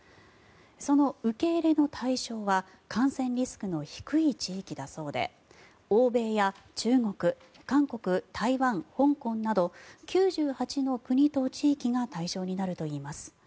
その受け入れの対象は感染リスクの低い地域だそうで欧米や中国、韓国、台湾、香港など９８の国と地域が対象になるといいます。